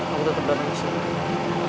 aku tetep dalam istirahat